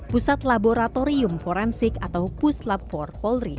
pusat laboratorium forensik atau puslab for polri